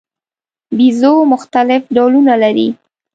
بیزو مختلف ډولونه لري.